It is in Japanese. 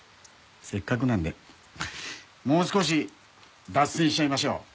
せっかくなのでもう少し脱線しちゃいましょう。